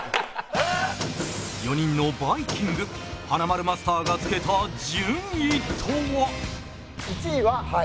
４人のバイキング華丸マスターがつけた順位とは？